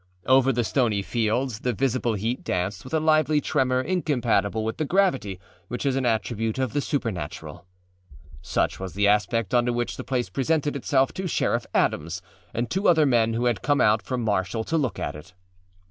Over the stony fields the visible heat danced with a lively tremor incompatible with the gravity which is an attribute of the supernatural. Such was the aspect under which the place presented itself to Sheriff Adams and two other men who had come out from Marshall to look at it.